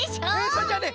それじゃね